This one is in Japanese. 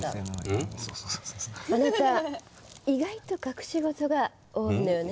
あなた意外と隠し事が多いのよね。